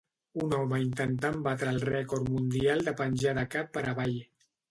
Un home intentant batre el rècord mundial de penjar de cap per avall.